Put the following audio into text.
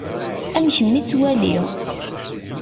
Am kemm i ttwaliɣ.